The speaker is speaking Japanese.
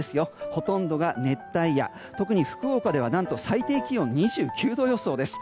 ほとんどが熱帯夜特に福岡では最低気温が２９度予想です。